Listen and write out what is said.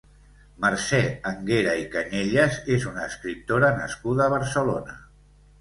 Mercè Anguera i Cañellas és una escriptora nascuda a Barcelona.